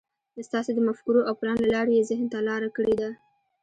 ستاسې د مفکورو او پلان له لارې يې ذهن ته لاره کړې ده.